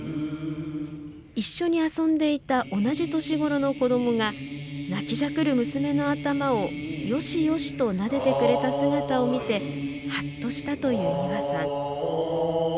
一緒に遊んでいた同じ年頃の子どもが泣きじゃくる娘の頭をよしよしとなでてくれた姿を見てはっとしたという丹羽さん。